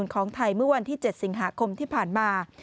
ของไทยเมื่อวันที่๗สิงหาคมที่ผ่านมา